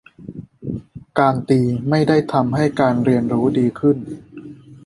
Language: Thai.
การตีไม่ได้ทำให้การเรียนรู้ดีขึ้น